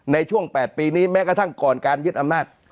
ในช่วง๘ปีนี้แม้กระทั่งก่อนการยึดอำนาจ